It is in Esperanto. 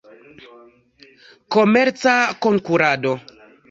Komerca Konkurado.